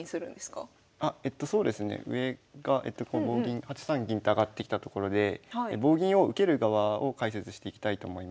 そうですね上が棒銀８三銀って上がってきたところで棒銀を受ける側を解説していきたいと思います。